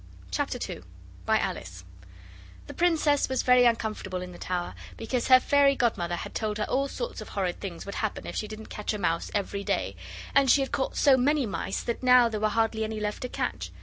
CHAPTER II by Alice The Princess was very uncomfortable in the tower, because her fairy godmother had told her all sorts of horrid things would happen if she didn't catch a mouse every day, and she had caught so many mice that now there were hardly any left to catch.